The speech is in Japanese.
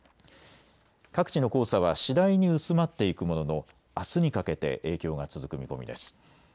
各地の黄砂は次第に薄まっていくもののあすにかけて影響が続く見込みです。